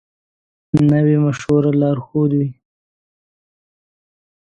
نوی مشوره لارښود وي